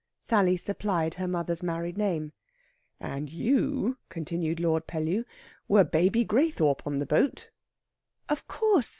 Sally supplied her mother's married name. "And you," continued Lord Pellew, "were Baby Graythorpe on the boat." "Of course.